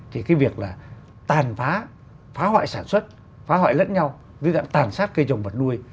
thì cái việc là tàn phá phá hoại sản xuất phá hoại lẫn nhau dưới dạng tàn sát cây trồng vật nuôi